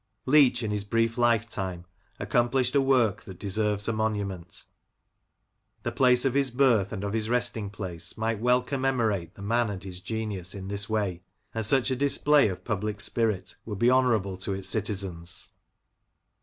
Leach, in his brief lifetime, accomplished a work that deserves a monument The place of his birth and of his resting place might well commemorate the man and his genius in this way, and such a display of public spirit would be honourable to its citizens.